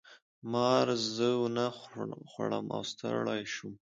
مار زه ونه خوړم او ستړی شو.